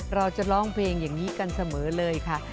เราจะร้องเพลงอย่างนี้กันเสมอเลยค่ะ